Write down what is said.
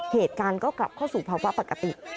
เหตุการณ์ก็กลับเข้าสู่ภาวะปกติ